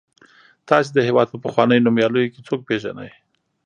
تاسې د هېواد په پخوانیو نومیالیو کې څوک پیژنئ.